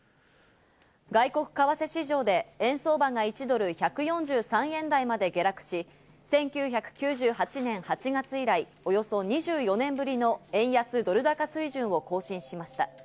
外国為替市場で円相場が１ドル＝１４３円台まで下落し、１９９８年８月以来、およそ２４年ぶりの円安ドル高水準を更新しました。